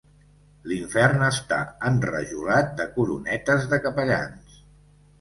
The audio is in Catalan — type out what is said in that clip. L'infern està enrajolat de coronetes de capellans.